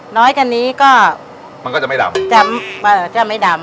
น้อยกว่านี้ก็มันก็จะไม่ดำจะไม่ดำ